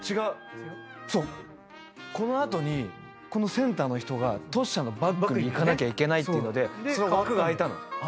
この後にこのセンターの人がトシちゃんのバックに行かなきゃいけないっていうのでその枠が空いたの。